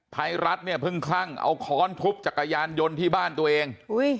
ภัยรัฐเนี่ยเพิ่งคลั่งเอาค้อนทุบจักรยานยนต์ที่บ้านตัวเอง